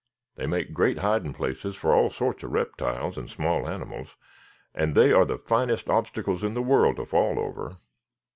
They make great hiding places for all sorts of reptiles and small animals, and they are the finest obstacles in the world to fall over."